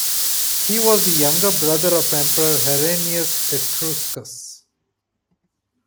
He was the younger brother of emperor Herennius Etruscus.